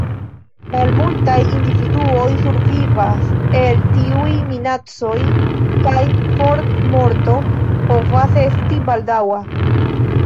Malmultaj individuoj survivas el tiuj minacoj kaj formorto povas esti baldaŭa.